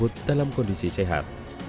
tidak terjemput dalam kondisi sehat